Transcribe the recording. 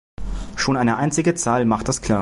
Schon eine einzige Zahl macht das klar.